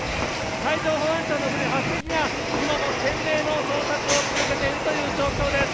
海上保安庁の船８隻が今も懸命の捜索を続けているという状況です。